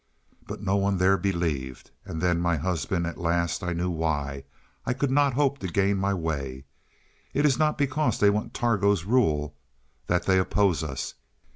"But no one there believed. And then, my husband, at last I knew why I could not hope to gain my way. It is not because they want Targo's rule that they oppose us.